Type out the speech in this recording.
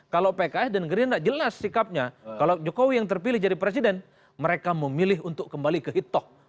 kalau pks dan gerindra jelas sikapnya kalau jokowi yang terpilih jadi presiden mereka memilih untuk kembali ke hitoh